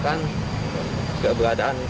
kota bogor mencapai dua puluh dua orang